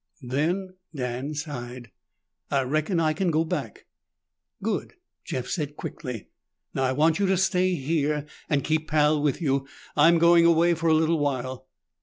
"Then," Dan sighed, "I reckon I can go back." "Good," Jeff said quickly. "Now I want you to stay here and keep Pal with you. I'm going away for a little while."